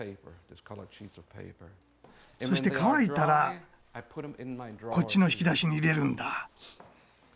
そして乾いたらこっちの引き出しに入れるんだ。